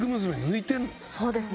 そうですね。